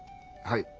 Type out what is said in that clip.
はい。